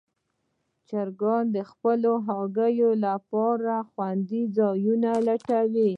چرګان د خپلو هګیو لپاره خوندي ځای لټوي.